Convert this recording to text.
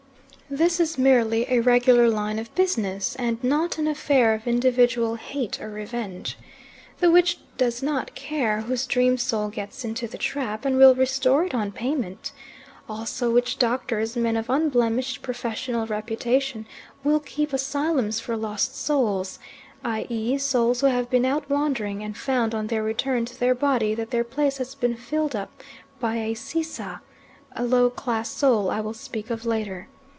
This is merely a regular line of business, and not an affair of individual hate or revenge. The witch does not care whose dream soul gets into the trap, and will restore it on payment. Also witch doctors, men of unblemished professional reputation, will keep asylums for lost souls, i.e. souls who have been out wandering and found on their return to their body that their place has been filled up by a Sisa, a low class soul I will speak of later.